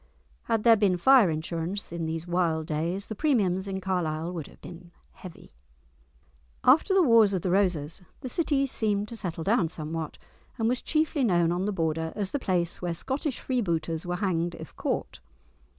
Had there been fire insurance in these wild days, the premiums in Carlisle would have been heavy! After the Wars of the Roses, the city seemed to settle down somewhat, and was chiefly known on the Border as the place where Scottish freebooters were hanged if caught.